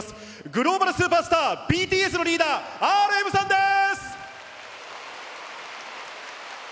グローバルスーパースター、ＢＴＳのリーダー、ＲＭさんです。